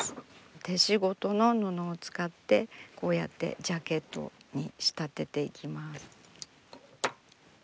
手仕事の布を使ってこうやってジャケットに仕立てていきます。